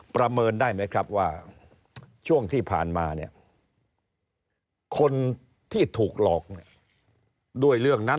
ประเมินได้ไหมครับว่าช่วงที่ผ่านมาเนี่ยคนที่ถูกหลอกเนี่ยด้วยเรื่องนั้น